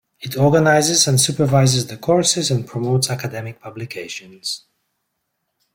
It organizes and supervises the courses and promotes academic publications.